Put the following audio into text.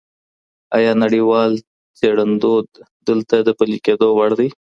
ایا نړیوال څېړندود دلته د پلي کيدو وړ دئ؟